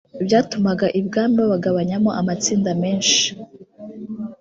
byatumaga ibwami babagabanyamo amatsinda menshi